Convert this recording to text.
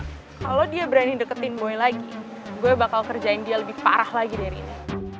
kalau dia berani deketin boy lagi gue bakal kerjain dia lebih parah lagi dari ini